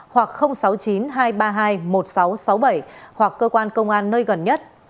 hoặc sáu mươi chín hai trăm ba mươi hai một nghìn sáu trăm sáu mươi bảy hoặc cơ quan công an nơi gần nhất